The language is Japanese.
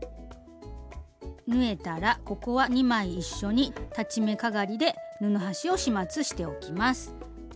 縫えたらここは２枚一緒に裁ち目かがりで布端を始末しておきます。